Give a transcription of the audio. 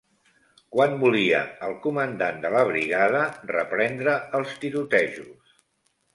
Quan volia el comandant de la brigada reprendre els tirotejos?